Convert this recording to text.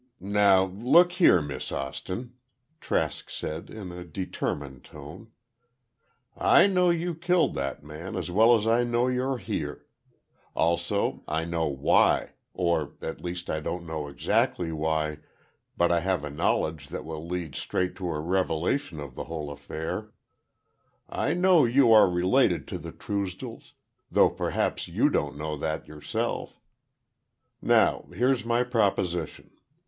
"Now, look here, Miss Austin," Trask said, in a determined tone, "I know you killed that man as well as I know you're here. Also, I know why. Or, at least, I don't know exactly why, but I have knowledge that will lead straight to a revelation of the whole affair. I know you are related to the Truesdells—though perhaps you don't know that yourself. Now, here's my proposition.